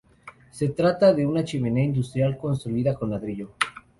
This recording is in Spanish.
Se trata de una chimenea industrial construida con ladrillo.